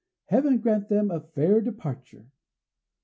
"Heaven grant them a fair departure!"